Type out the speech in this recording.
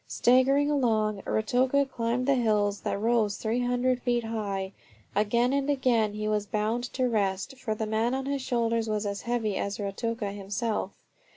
Staggering along, Ruatoka climbed the hills that rose 300 feet high. Again and again he was bound to rest, for the man on his shoulders was as heavy as Ruatoka himself.